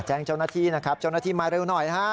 แจ้งเจ้าหน้าที่นะครับเจ้าหน้าที่มาเร็วหน่อยนะฮะ